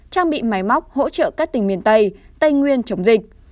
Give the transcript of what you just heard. trang bị máy móc hỗ trợ các tỉnh miền tây tây nguyên chống dịch